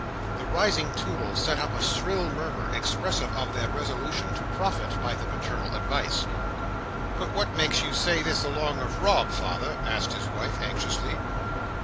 The rising Toodles set up a shrill murmur, expressive of their resolution to profit by the paternal advice. "But what makes you say this along of Rob, father?" asked his wife, anxiously.